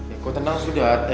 ya kok tenang sudah